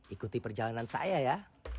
ikuti perjalanan saya ya